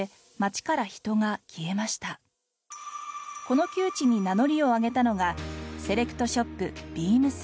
この窮地に名乗りを上げたのがセレクトショップＢＥＡＭＳ。